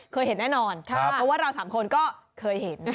เคยเห็นแน่นอนเพราะว่าเราสามคนก็เคยเห็น